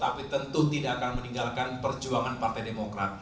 tapi tentu tidak akan meninggalkan perjuangan partai demokrat